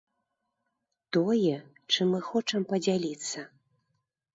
Тое, чым мы хочам падзяліцца.